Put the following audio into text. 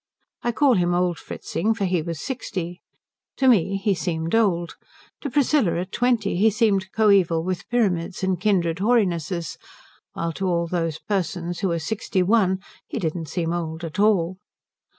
I call him old Fritzing, for he was sixty. To me he seemed old; to Priscilla at twenty he seemed coeval with pyramids and kindred hoarinesses; while to all those persons who were sixty one he did not seem old at all.